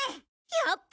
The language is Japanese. やったあ！